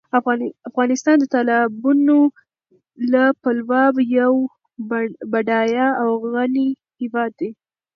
افغانستان د تالابونو له پلوه یو بډایه او غني هېواد دی.